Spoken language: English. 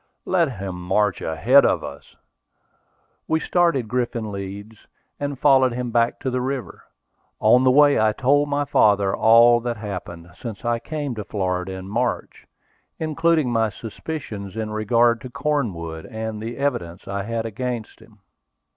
"Let him march ahead of us." We started Griffin Leeds, and followed him back to the river. On the way I told my father all that happened since I came to Florida in March, including my suspicions in regard to Cornwood, and the evidence I had against him.